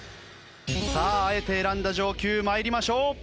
さああえて選んだ上級参りましょう。